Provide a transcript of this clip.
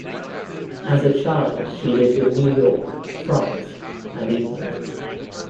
As a child, she lived in New York, France, and England.